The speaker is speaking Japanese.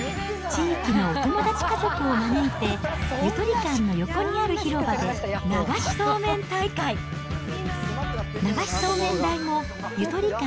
地域のお友達家族を招いて、ゆとり館の横にある広場で流しそうめん大会。